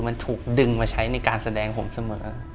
มันถูกดึงมาใช้ในการแสดงผมเสมอ